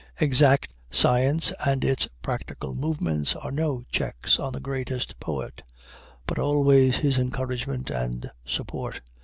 Exact science and its practical movements are no checks on the greatest poet, but always his encouragement and support.